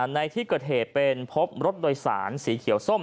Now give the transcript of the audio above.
ในที่เกิดเหตุเป็นพบรถโดยสารสีเขียวส้ม